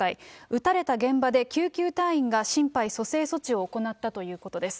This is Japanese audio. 撃たれた現場で救急隊員が心肺蘇生措置を行ったということです。